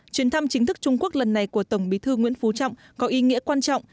chuyến thăm chính thức trung quốc lần này của tổng bí thư nguyễn phú trọng có ý nghĩa quan trọng